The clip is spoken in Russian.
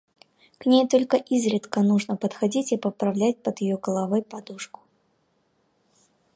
– К ней только изредка нужно подходить и поправлять под ее головой подушку.